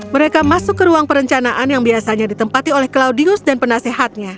mereka masuk ke ruang perencanaan yang biasanya ditempati oleh claudius dan penasehatnya